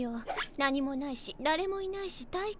何もないしだれもいないし退屈。